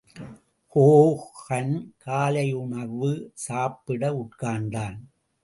Hogan காலையுனைவு சாப்பிட உட்கார்ந்தான்.